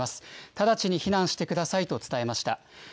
直ちに避難してくださいと伝えました。